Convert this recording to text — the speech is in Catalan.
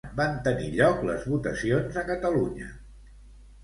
Quan van tenir lloc les votacions a Catalunya?